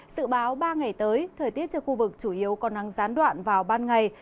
dự báo ba ngày tới thời tiết cho khu vực chủ yếu có nắng gián đoạn vào ban ngày